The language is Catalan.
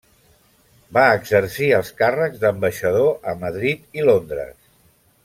Va exercir els càrrecs d'ambaixador a Madrid i Londres.